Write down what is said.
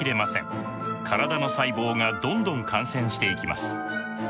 体の細胞がどんどん感染していきます。